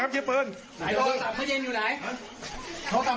เขียบปืนเขียบปืนเกียบปืนต้มมือข้างล่าง